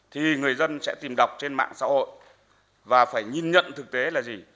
thì người dân sẽ tìm đọc trên mạng xã hội và phải nhìn nhận thực tế là gì